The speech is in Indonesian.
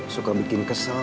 suka bikin kesel